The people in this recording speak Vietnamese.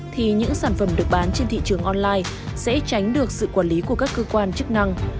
thì những sản phẩm được bán trên thị trường online sẽ tránh được sự quản lý của các cơ quan chức năng